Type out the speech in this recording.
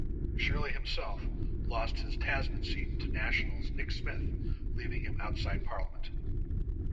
Shirley himself lost his Tasman seat to National's Nick Smith, leaving him outside Parliament.